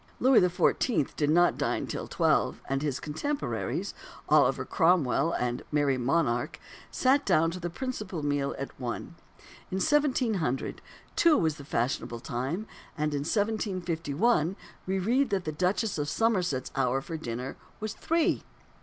Louis XIV. did not dine till twelve; and his contemporaries, Oliver Cromwell and the Merry Monarch, sat down to the principal meal at one. In 1700, two was the fashionable time; and in 1751 we read that the Duchess of Somerset's hour for dinner was three.